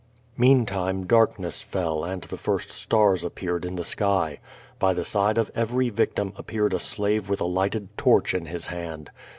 ileantime darkness fell and the first stars appeared in the sky. By the side of every victim appeared a slave with a lighted torch in his hand.